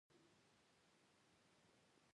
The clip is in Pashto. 🥑 اوکاډو